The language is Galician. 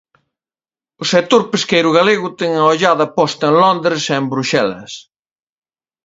O sector pesqueiro galego ten a ollada posta en Londres e en Bruxelas.